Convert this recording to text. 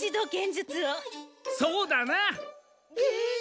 そうだな。えっ？